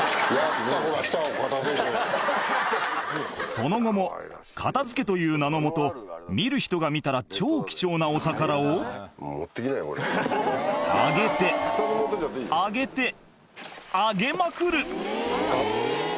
その後も片付けという名の下見る人が見たら超貴重なお宝をあげてあげてあげまくる！